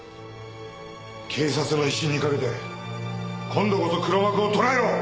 警察の威信にかけて今度こそ黒幕を捕らえろ！